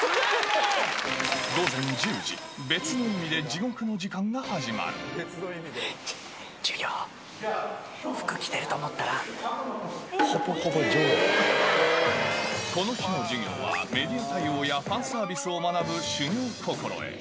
午前１０時、別の意味で地獄授業、服着てると思ったら、この日の授業は、メディア対応やファンサービスを学ぶ修行心得。